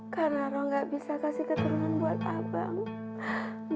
karena rok gak bisa kasih keturunan buat abang